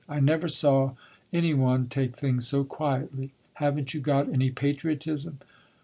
"I never saw any one take things so quietly. Have n't you got any patriotism?"